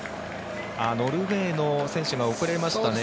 ノルウェーの選手が遅れましたね。